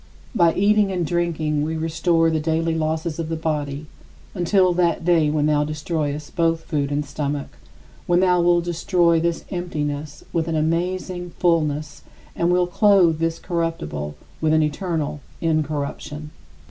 By eating and drinking we restore the daily losses of the body until that day when thou destroyest both food and stomach, when thou wilt destroy this emptiness with an amazing fullness and wilt clothe this corruptible with an eternal incorruption.